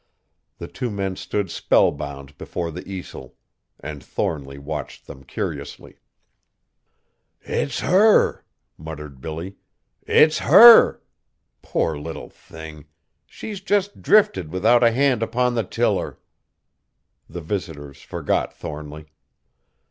The two men stood spellbound before the easel, and Thornly watched them curiously. "It's her!" muttered Billy, "it's her! Poor little thing! she's jest drifted without a hand upon the tiller." The visitors forgot Thornly.